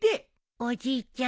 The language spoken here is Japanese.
おじいちゃん。